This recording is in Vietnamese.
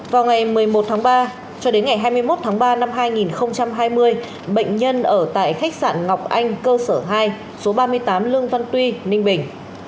vào ngày một mươi một tháng ba cho đến ngày hai mươi một tháng ba năm hai nghìn hai mươi bệnh nhân ở tại khách sạn ngọc anh cơ sở hai số ba mươi tám lương văn tuy ninh bình